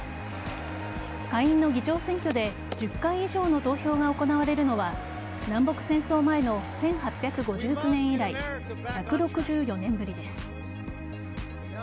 下院の議長選挙で１０回以上の投票が行われるのは南北戦争前の１８５９年以来１６４年ぶりです。